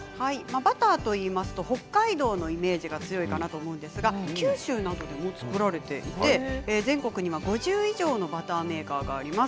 バターというと北海道のイメージが強いかなと思いますが九州などでも作られていて全国には５０以上のバターメーカーがあります。